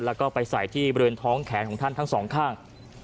แล้วก็ไปใส่ที่บริเวณท้องแขนของท่านทั้งสองข้าง